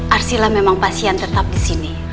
arsila memang pasien tetap di sini